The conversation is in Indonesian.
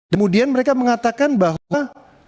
kemudian mereka mengatakan bahwa